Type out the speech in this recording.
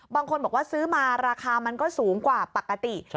บางคนบอกว่าซื้อมาราคามันก็สูงกว่าปกติ